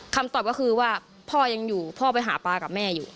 คำตอบก็คือว่าพ่อยังอยู่พ่อไปหาปลากับแม่อยู่